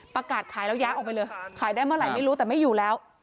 ประกาศขายแล้วย้ายออกไปเลยขายได้เมื่อไหร่ไม่รู้แต่ไม่อยู่แล้ว